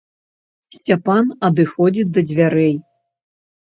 Сцяпан адыходзіць да дзвярэй.